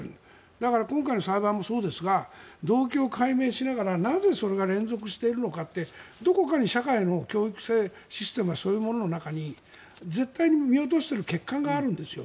だから今回の裁判もそうですが動機を解明しながらなぜそれが連続しているのか何か、社会の教育システムの中に絶対に見落としている欠陥があるんですよ。